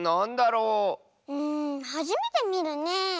うんはじめてみるねえ。